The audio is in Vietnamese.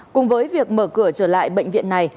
cùng với việc mở cửa trở lại bệnh viện này